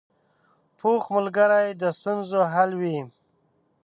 پوخ ملګری د ستونزو حل وي